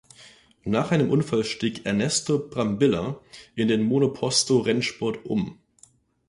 Nach einem Unfall stieg Ernesto Brambilla in den Monoposto-Rennsport um.